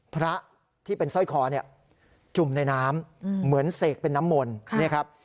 พระที่เป็นสร้อยคอเนี่ยจุ่มในน้ำเหมือนเสกเป็นน้ำมนต์เนี่ยครับ